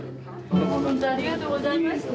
ほんとありがとうございました。